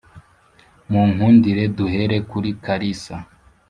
munkundire duhere kuri kalisa